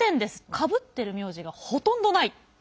かぶってる名字がほとんどない。